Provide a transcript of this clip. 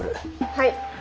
はい。